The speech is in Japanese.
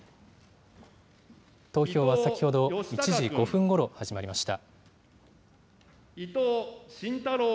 投票は先ほど１時５分ごろ始まりました。